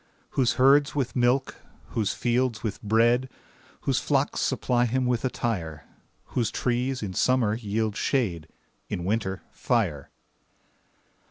Whose herds with milk, whose fields with bread, Whose flocks supply him with attire; Whose trees in summer yield shade, In winter, fire.